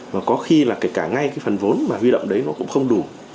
và có khi là kể cả ngay cái phần vốn mà huy động đấy nó cũng không đủ